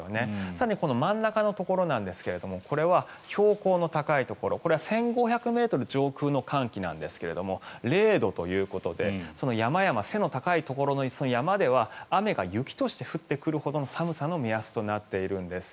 更に真ん中のところなんですがこれは標高の高いところこれは１５００ｍ上空の寒気なんですが０度ということで山々、背の高いところの山では雨が雪として降ってくるほどの寒さの目安となっているんです。